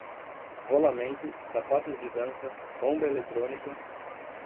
rolamento, sapatos de dança, bomba eletrônica